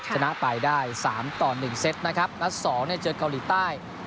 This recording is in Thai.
ชนะไปได้๓ต่อ๑เซตนะครับนัด๒เจอเกาหลีใต้